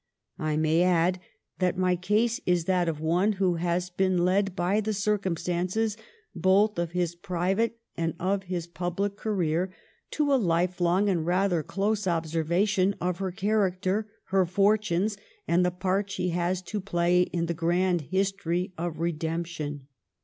I may add that my case is that of one who has been led by the cir cumstances, both of his pri vate and of his public career, to a life long and rather close ob servation of her character, her fortunes, and the part she has to play in the grand history (From ,pho,„g«ph by w,bs,=r „rch„«r) ^f Redemption.